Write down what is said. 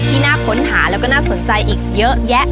ที่น่าค้นหาแล้วก็น่าสนใจอีกเยอะแยะ